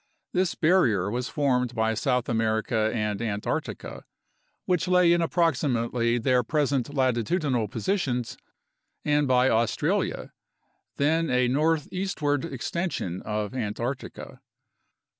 This barrier was formed by South America and Antarctica, which lay in approximately their present latitudinal positions, and by Australia, then a northeastward extension of Antarctica.